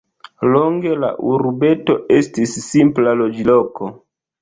Longe la urbeto estis simpla loĝloko.